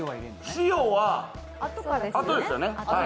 塩はあとですよね。